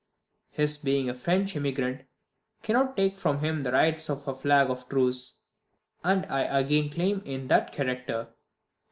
His being a French emigrant cannot take from him the rights of a flag of truce, and I again claim him in that character.